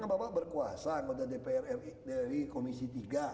bapak berkuasa kalau ada dpr dari komisi tiga